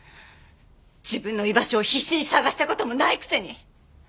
自分の居場所を必死に探した事もないくせに！